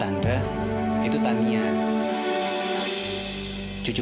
tante itu tania cucu bungsunya bularas ya ampun gitu sih sang kamu harus deketin dia selain